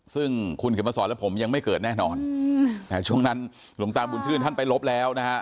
ซึ่งคุณเข็มมาสอนและผมยังไม่เกิดแน่นอนแต่ช่วงนั้นหลวงตาบุญชื่นท่านไปลบแล้วนะฮะ